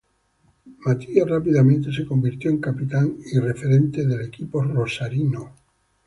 Matias rápidamente se convirtió en capitán y referente del equipo rosarino.